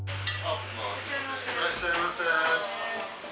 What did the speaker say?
いらっしゃいませ。